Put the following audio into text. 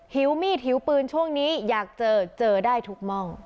หิวมีดหิวปืนช่วงนี้อยากเจอเจอได้ทุกม่อง